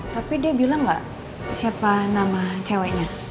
tapi dia bilang nggak siapa nama ceweknya